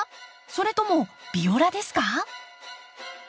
それともビオラですか？